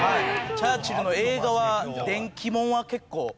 チャーチルの映画は伝記もんは結構。